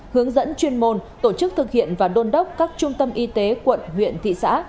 hướng dẫn chuyên môn tổ chức thực hiện và đôn đốc các trung tâm y tế quận huyện thị xã